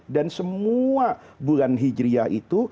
dan semua bulan hijriah itu